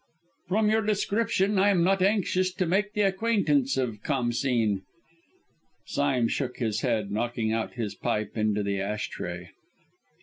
"From your description I am not anxious to make the acquaintance of Khamsîn!" Sime shook his head, knocking out his pipe into the ash tray.